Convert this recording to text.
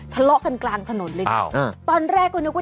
ทะเลาะกลางถนนเลยเนี่ย